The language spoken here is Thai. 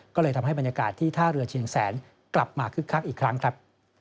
ก็เลยทำให้บรรยากาศที่ท่าเรือเชียงแสนกลับมาคึกคักอีกครั้งครับ